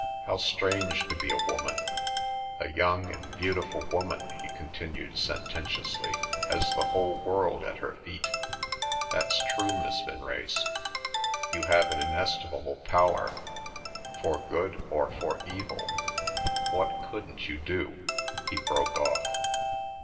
"How strange to be a woman! A young and beautiful woman," he continued sententiously, "has the whole world at her feet. That's true, Miss Vinrace. You have an inestimable power—for good or for evil. What couldn't you do—" he broke off.